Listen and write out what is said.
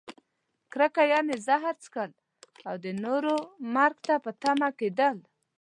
کرکه؛ یعنې زهر څښل او د نورو مرګ ته په تمه کیدل.